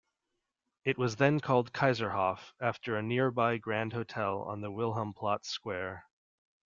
It was then called "Kaiserhof" after a nearby grand hotel on the Wilhelmplatz square.